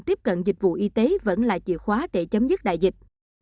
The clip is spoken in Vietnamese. tiếp cận dịch vụ y tế vẫn là chìa khóa để chấm dứt đại dịch